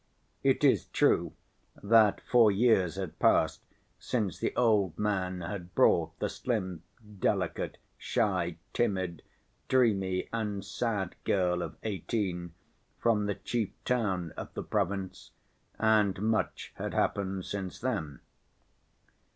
It is true that four years had passed since the old man had brought the slim, delicate, shy, timid, dreamy, and sad girl of eighteen from the chief town of the province, and much had happened since then.